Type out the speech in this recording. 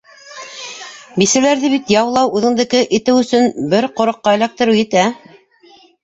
Бисәләрҙе бит яулау, үҙеңдеке итеү өсөн бер ҡороҡҡа эләктереү етә...